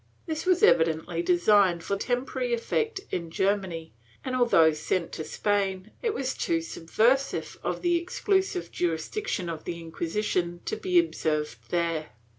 ^ This was evidently designed for temporary effect in Germany and, although sent to Spain, it was too subversive of the exclusive jurisdiction of the Inquisition to be observed there.